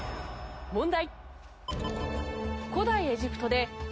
問題。